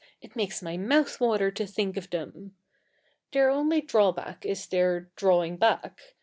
It makes my mouth water to think of them! Their only drawback is their drawing back.